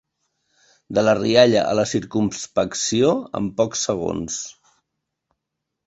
De la rialla a la circumspecció en pocs segons.